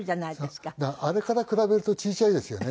あれから比べると小さいですよね。